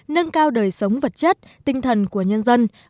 nâng cao đời sống vật chất tinh thần của nhân dân